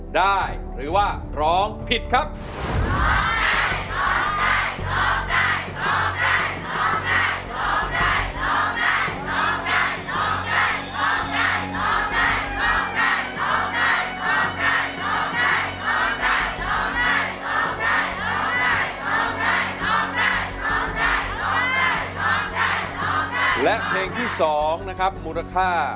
โทษใจโทษใจโทษใจโทษใจโทษใจ